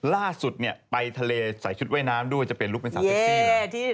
ล่าสุดไปทะเลใส่ชุดว่ายน้ำด้วยจะเปลี่ยนลุคในสระเซ็กซี่หรอ